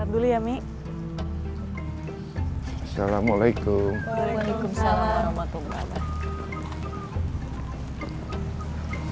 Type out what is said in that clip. dulu ya mi assalamualaikum waalaikumsalam